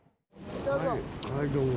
はいどうも。